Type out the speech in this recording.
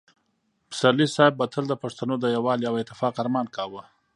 پسرلي صاحب به تل د پښتنو د یووالي او اتفاق ارمان کاوه.